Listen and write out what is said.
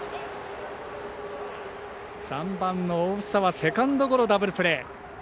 ３番の大房はセカンドゴロ、ダブルプレー。